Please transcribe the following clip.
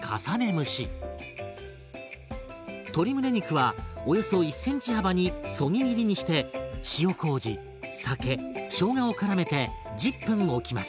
鶏むね肉はおよそ１ｃｍ幅にそぎ切りにして塩こうじ酒しょうがをからめて１０分おきます。